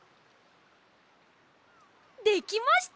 できました！